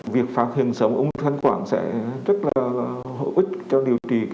việc phát hiện sớm ung thư thanh quảng sẽ rất là hữu ích cho điều trị